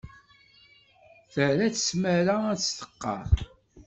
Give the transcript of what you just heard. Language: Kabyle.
Terra-tt tmara ad testqerr.